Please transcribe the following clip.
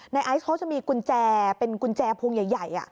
ไอซ์เขาจะมีกุญแจเป็นกุญแจพุงใหญ่